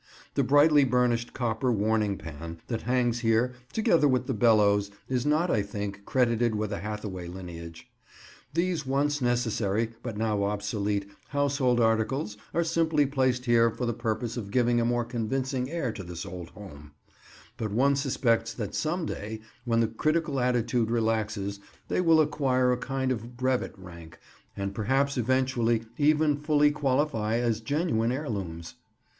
The brightly burnished copper warming pan that hangs here, together with the bellows, is not, I think, credited with a Hathaway lineage. These once necessary, but now obsolete, household articles are simply placed here for the purpose of giving a more convincing air to this old home; but one suspects that some day, when the critical attitude relaxes, they will acquire a kind of brevet rank, and perhaps eventually even fully qualify as genuine heirlooms.